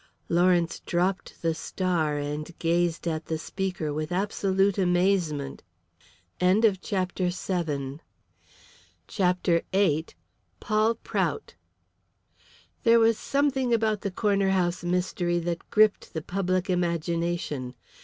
Lawrence dropped "The Star" and gazed at the speaker with absolute amazement. CHAPTER VIII. PAUL PROUT. There was something about the Corner House mystery that gripped the public imagination.